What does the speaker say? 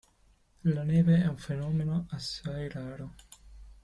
La neve è un fenomeno assai raro.